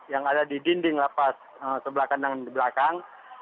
yang ada di dinding lapas sebelah kanan belakang